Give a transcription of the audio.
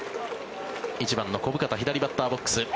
１番の小深田左バッターボックス。